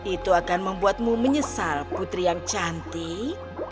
itu akan membuatmu menyesal putri yang cantik